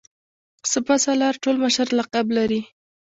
سپه سالار ټول مشر لقب لري.